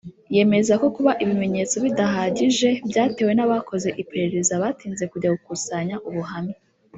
yemeza ko kuba ibimenyetso bidahagije byatewe n’abakoze iperereza batinze kujya gukusanya ubuhamya